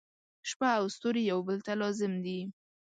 • شپه او ستوري یو بل ته لازم دي.